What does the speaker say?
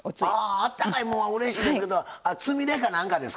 あったかいもんはうれしいんですけどつみれかなんかですか？